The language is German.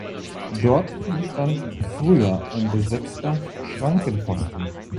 Dort bestand früher ein besetzter Schrankenposten.